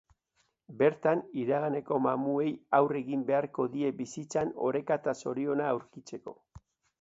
Bertan, iraganeko mamuei aurre egin beharko die bizitzan oreka eta zoriona aurkitzeko.